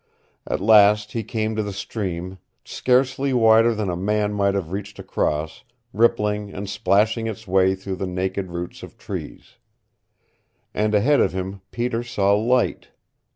At last he came to the stream, scarcely wider than a man might have reached across, rippling and plashing its way through the naked roots of trees. And ahead of him Peter saw light.